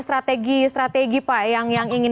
strategi strategi yang ingin